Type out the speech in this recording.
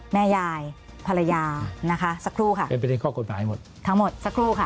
แม่ยายพรายาท์นะคะทั้งหมดสักครู่ค่ะ